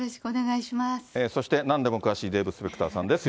そして、なんでも詳しいデーブ・スペクターさんです。